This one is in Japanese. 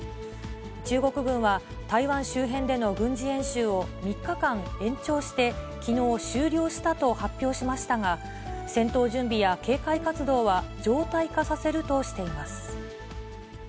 中国軍は、台湾周辺での軍事演習を３日間延長して、きのう、終了したと発表しましたが、戦闘準備や警戒活動は常態化させるとしています。